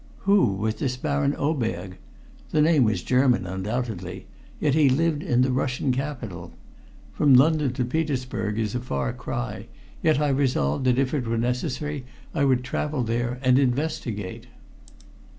Who was this Baron Oberg? The name was German undoubtedly, yet he lived in the Russian capital. From London to Petersburg is a far cry, yet I resolved that if it were necessary I would travel there and investigate.